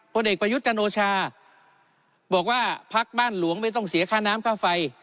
เด็กประยุทธ์จันโอชาบอกว่าพักบ้านหลวงไม่ต้องเสียค่าน้ำค่าไฟ